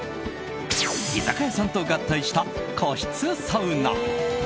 居酒屋さんと合体した個室サウナ。